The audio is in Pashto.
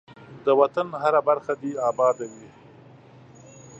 ده وطن هره برخه دی اباده وی.